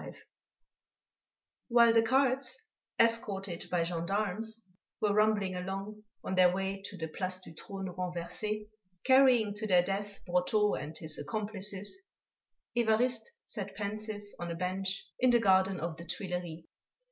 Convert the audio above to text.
XXV While the carts, escorted by gendarmes, were rumbling along on their way to the Place du Trône Renversé, carrying to their death Brotteaux and his "accomplices," Évariste sat pensive on a bench in the garden of the Tuileries.